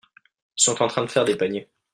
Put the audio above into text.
Ils sont en train de faire des paniers.